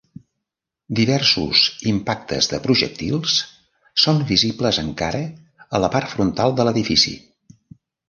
Diversos impactes de projectils són visibles encara a la part frontal de l'edifici.